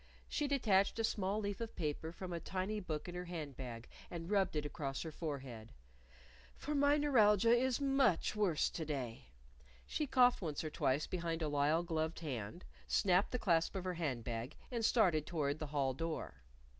She detached a small leaf of paper from a tiny book in her hand bag and rubbed it across her forehead. "For my neuralgia is much worse to day." She coughed once or twice behind a lisle gloved hand, snapped the clasp of her hand bag and started toward the hall door.